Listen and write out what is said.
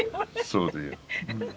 そうだよ。